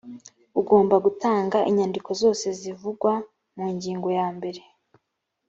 ugomba gutanga inyandiko zose zivugwa mu ngingo ya mbere